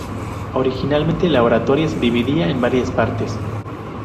Originalmente, la oratoria se dividía en varias partes.